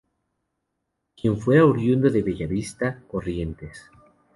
Quien fuera oriundo de Bella Vista, Corrientes.